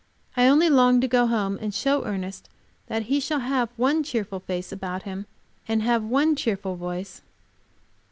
I only long to go home and show Ernest that he shall have one cheerful face about him, and have one cheerful voice.